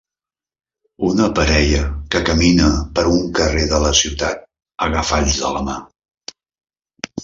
Una parella que camina per un carrer de la ciutat agafats de la mà.